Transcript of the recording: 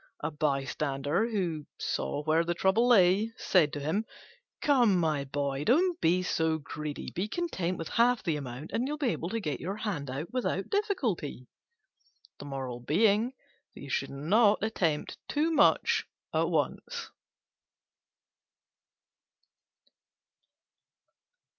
A bystander, who saw where the trouble lay, said to him, "Come, my boy, don't be so greedy: be content with half the amount, and you'll be able to get your hand out without difficulty." Do not attempt too much at once.